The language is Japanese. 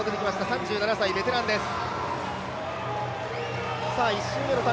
３７歳、ベテランです。